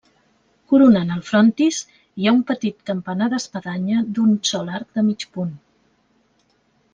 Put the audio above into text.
Coronant el frontis hi ha un petit campanar d'espadanya d'un sol arc de mig punt.